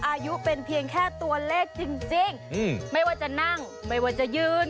อายุเป็นเพียงแค่ตัวเลขจริงไม่ว่าจะนั่งไม่ว่าจะยืน